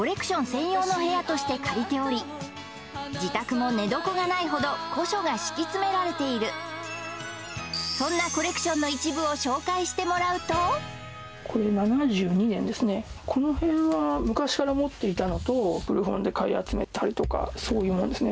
専用の部屋として借りており自宅も寝床がないほど古書が敷き詰められているそんなコレクションの一部を紹介してもらうとこの辺は昔から持っていたのと古本で買い集めたりとかそういうもんですね